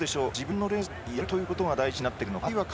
自分のレースをやるということが大事になってくるのか。